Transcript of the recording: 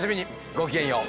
ごきげんよう。